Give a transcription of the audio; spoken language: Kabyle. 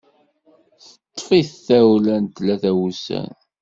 Teṭṭef-it tawla n tlata n wussan.